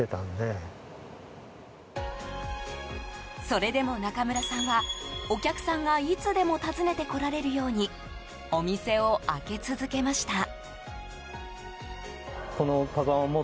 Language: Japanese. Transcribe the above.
それでも中村さんはお客さんがいつでも訪ねてこられるようにお店を開け続けました。